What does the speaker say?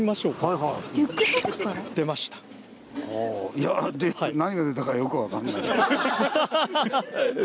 ほぉいや何が出たかよく分かんない。